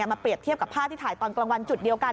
เปรียบเทียบกับภาพที่ถ่ายตอนกลางวันจุดเดียวกัน